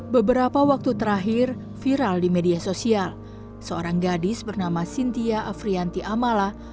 beberapa waktu terakhir viral di media sosial seorang gadis bernama cynthia afrianti amala